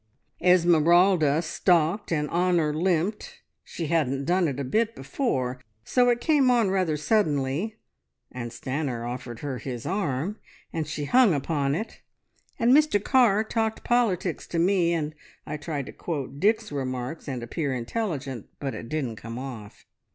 Esmeralda stalked, and Honor limped. She hadn't done it a bit before, so it came on rather suddenly, and Stanor offered her his arm, and she hung upon it, and Mr Carr talked politics to me, and I tried to quote Dick's remarks and appear intelligent, but it didn't come off.